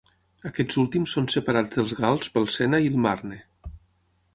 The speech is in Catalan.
Aquests últims són separats dels gals pel Sena i el Marne.